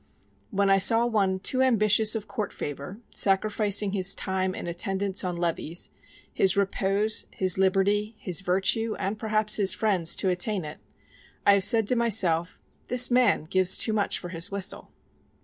When I saw one too ambitious of court favour, sacrificing his time in attendance on levees, his repose, his liberty, his virtue, and perhaps his friends, to attain it, I have said to myself, This man gives too much for his whistle.